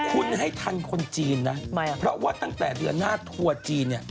คุณให้ทันคนจีนนะเพราะว่าตั้งแต่เดือนหน้าทัวร์จีนเนี่ย